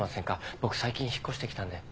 僕最近引っ越してきたんで。